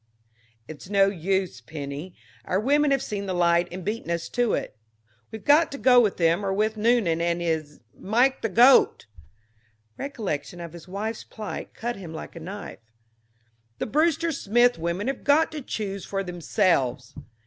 "It's no use, Penny. Our women have seen the light and beaten us to it; we've got to go with them or with Noonan and his Mike the Goat!" Recollection of his wife's plight cut him like a knife. "The Brewster Smith women have got to choose for themselves!"